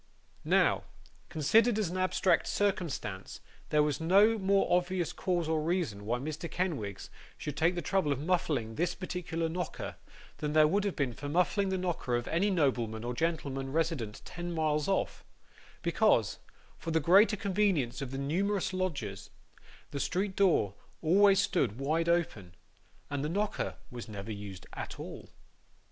Now, considered as an abstract circumstance, there was no more obvious cause or reason why Mr. Kenwigs should take the trouble of muffling this particular knocker, than there would have been for his muffling the knocker of any nobleman or gentleman resident ten miles off; because, for the greater convenience of the numerous lodgers, the street door always stood wide open, and the knocker was never used at all.